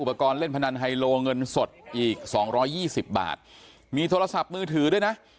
อุปกรณ์เล่นพนันไฮโลเงินสดอีกสองร้อยยี่สิบบาทมีโทรศัพท์มือถือด้วยนะ